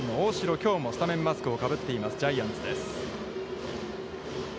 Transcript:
きょうもスタメンマスクをかぶっています、ジャイアンツです。